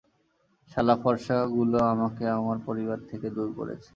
সালা ফর্সা গুলো আমাকে আমার পরিবার থেকে দূর করেছে।